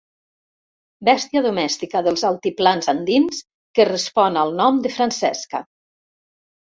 Bèstia domèstica dels altiplans andins que respon al nom de Francesca.